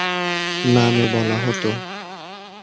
নামে বলা হতো।